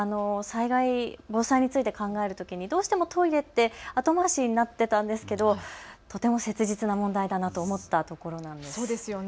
災害、防災について考えるときにどうしてもトイレって後回しになっていたんですけれどもとても切実な問題だなと思ったところです。